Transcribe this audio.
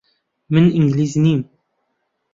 من ئینگلیز نیم.